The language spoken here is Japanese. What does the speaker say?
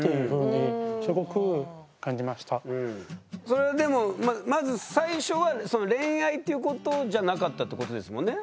それでもまず最初は恋愛っていうことじゃなかったってことですもんね？